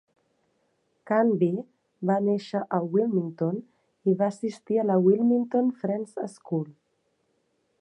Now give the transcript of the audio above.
Canby va néixer a Wilmington i va assistir a la Wilmington Friends School.